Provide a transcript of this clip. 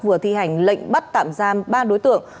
vừa thi hành lệnh bắt tạm giam ba đối tượng